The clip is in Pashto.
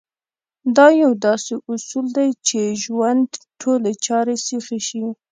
دا يو داسې اصول دی چې ژوند ټولې چارې سيخې شي.